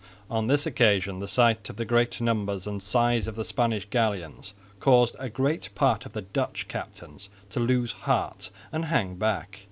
On this occasion the sight of the great numbers and size of the Spanish galleons caused a great part of the Dutch captains to lose heart and hang back.